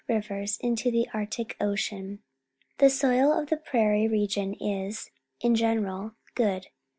Rivers into the Arct ic Ucian. The soil of the prairie region is, in general, good.